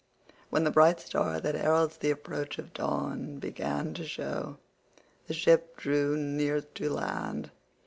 When the bright star that heralds the approach of dawn began to show, the ship drew near to land.